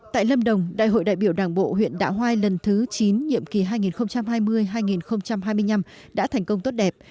tại lâm đồng đại hội đại biểu đảng bộ huyện đạ hoai lần thứ chín nhiệm kỳ hai nghìn hai mươi hai nghìn hai mươi năm đã thành công tốt đẹp